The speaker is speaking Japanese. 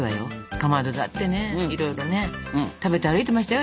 かまどだってねいろいろね食べて歩いてましたよ